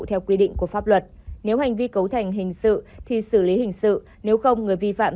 theo quy định của pháp luật nếu hành vi cấu thành hình sự thì xử lý hình sự nếu không người vi phạm